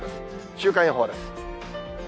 週間予報です。